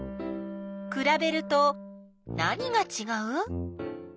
くらべると何がちがう？